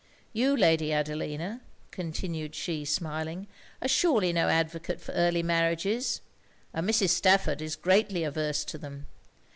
You, Lady Adelina,' continued she, smiling, 'are surely no advocate for early marriages; and Mrs. Stafford is greatly averse to them.